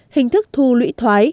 hình thức thu lũy thoái